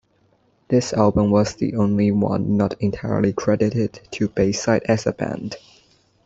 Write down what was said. This album was the only one not entirely credited to Bayside as a band.